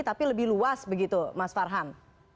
tapi lebih luas begitu mas farhan